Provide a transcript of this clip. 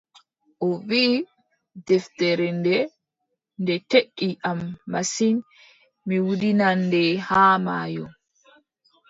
O wiʼi: deftere nde, nde teddi am masin mi wudinan nde haa maayo.